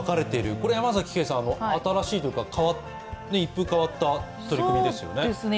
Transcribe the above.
これ山崎ケイさん、新しいというか一風変わった取り組みですよね。